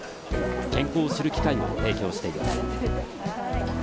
健康を知る機会を提供しています。